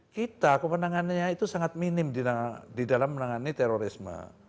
kita kemenangannya itu sangat minim di dalam menangani terorisme